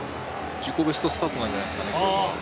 自己ベストスタートなんじゃないですかね。